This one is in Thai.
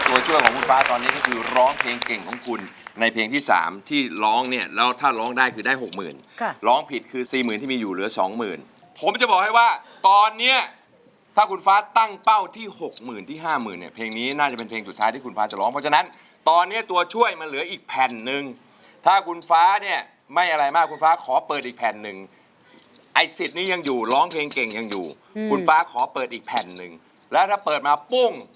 ตัวช่วยของคุณฟ้าตอนนี้คือร้องเพลงเก่งของคุณในเพลงที่๓ที่ร้องเนี่ยแล้วถ้าร้องได้คือได้๖๐๐๐๐ค่ะร้องผิดคือ๔๐๐๐๐ที่มีอยู่เหลือ๒๐๐๐๐ผมจะบอกให้ว่าตอนนี้ถ้าคุณฟ้าตั้งเป้าที่๖๐๐๐๐ที่๕๐๐๐๐เนี่ยเพลงนี้น่าจะเป็นเพลงสุดท้ายที่คุณฟ้าจะร้องเพราะฉะนั้นตอนนี้ตัวช่วยมันเหลืออีกแผ่นนึงถ้าคุ